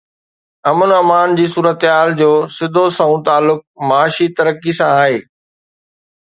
امن امان جي صورتحال جو سڌو سنئون تعلق معاشي ترقي سان آهي.